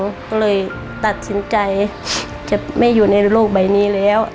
ก็เลยตัดสินใจจะไม่อยู่ในโลกใบนี้แล้ว